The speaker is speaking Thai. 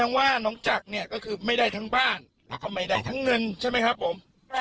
ว่าน้องจักรเนี่ยก็คือไม่ได้ทั้งบ้านแล้วก็ไม่ได้ทั้งเงินใช่ไหมครับผม